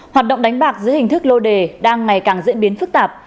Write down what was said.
hoạt động đánh bạc giữa hình thức lô đề đang ngày càng diễn biến phức tạp